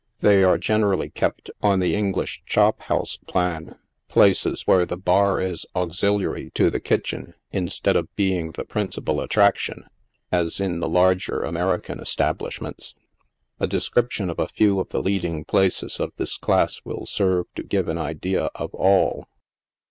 They are generally kept on the English chop house plan — places where the bar is auxiliary to the kitchen, instead of being the principal attraction, as in the larger American estab lishments. A description of a few of the leading places of this class will serve to give an idea of all.